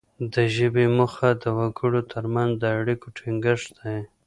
د ژبې موخه د وګړو ترمنځ د اړیکو ټینګښت دی